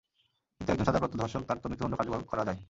কিন্তু একজন সাজাপ্রাপ্ত ধর্ষক তার তো মৃত্যুদন্ড কার্যকর করা যায়।